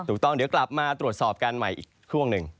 ถูกต้องเดี๋ยวกลับมาตรวจสอบกันใหม่อีกช่วงหนึ่ง